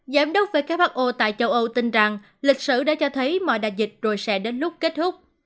giám đốc who tại châu âu tin rằng lịch sử đã cho thấy mọi đại dịch rồi sẽ đến lúc kết thúc